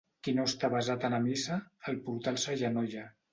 Qui no està avesat a anar a missa, al portal s'agenolla.